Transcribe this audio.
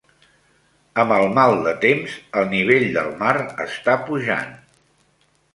Amb el mal de temps el nivell del mar està pujant.